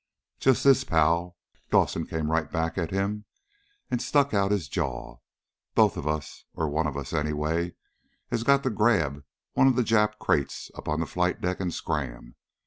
"Just this, pal!" Dawson came right back at him, and stuck out his jaw. "Both of us, or one of us, anyway, has got to grab one of the Jap crates up on the flight deck, and scram.